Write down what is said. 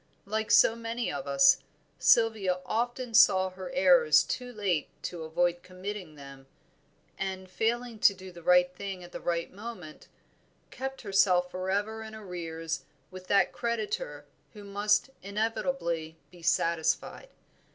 Like so many of us, Sylvia often saw her errors too late to avoid committing them, and failing to do the right thing at the right moment, kept herself forever in arrears with that creditor who must inevitably be satisfied.